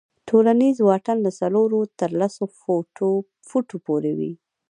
ټولنیز واټن له څلورو تر لسو فوټو پورې وي.